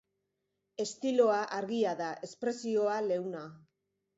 Estiloa argia da, espresioa leuna.